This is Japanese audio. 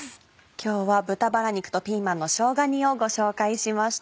今日は「豚バラ肉とピーマンのしょうが煮」をご紹介しました。